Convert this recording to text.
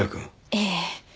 ええ。